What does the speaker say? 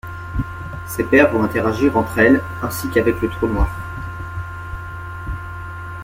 Ces paires vont interagir entre elles, ainsi qu'avec le trou noir.